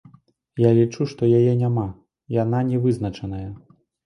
Я лічу, што яе няма, яна не вызначаная.